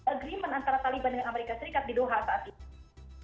agreement antara taliban dengan amerika serikat di doha saat ini